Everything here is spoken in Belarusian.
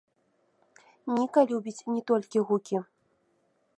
Ніка любіць не толькі гукі.